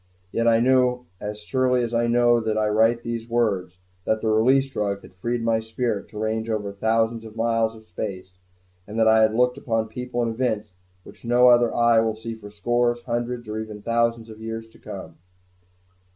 Yet I know as surely as I know that I write these words that the Release Drug had freed my spirit to range over thousands of miles of space, and that I have looked on people and events which no other eye will view for scores, hundreds or even thousands of years to come.